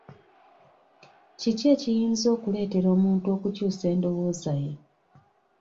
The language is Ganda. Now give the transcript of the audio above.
Kiki ekiyinza okuleetera omuntu okukyusa endowooza ye?